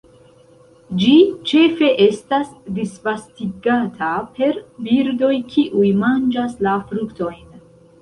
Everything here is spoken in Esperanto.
Ĝi ĉefe estas disvastigata per birdoj kiuj manĝas la fruktojn.